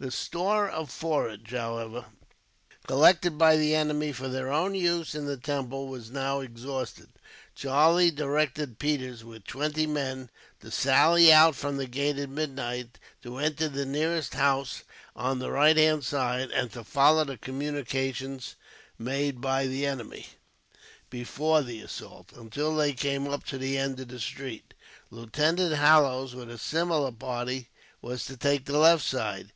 The store of forage, however, collected by the enemy for their own use in the temple, was now exhausted. Charlie directed Peters, with twenty men, to sally out from the gate at midnight, to enter the nearest house on the right hand side, and to follow the communications made by the enemy before the assault, until they came to the end of the street. Lieutenant Hallowes, with a similar party, was to take the left side.